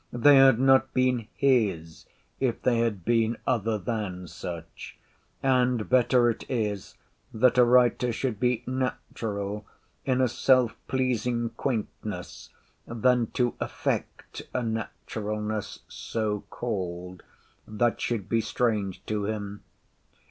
They had not been his, if they had been other than such; and better it is, that a writer should be natural in a self pleasing quaintness, than to affect a naturalness (so called) that should be strange to him.